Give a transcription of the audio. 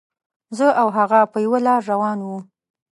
زه او هغه په یوه لاره روان وو.